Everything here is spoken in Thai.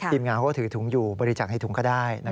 ทีมงานเขาก็ถือถุงอยู่บริจาคให้ถุงก็ได้